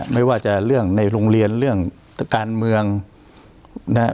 ไม่ว่าจะเรื่องในโรงเรียนเรื่องการเมืองนะฮะ